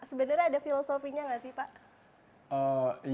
sebenarnya ada filosofinya nggak sih pak